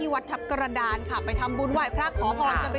สวัสดีครับ